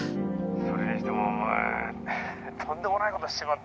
「それにしてもお前とんでもない事しちまったなぁ」